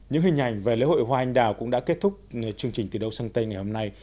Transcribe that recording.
những hình ảnh về lễ hội hoa anh đào cũng đã kết thúc chương trình từ đầu sang tây ngày hôm nay